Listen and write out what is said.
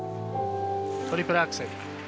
トリプルアクセル。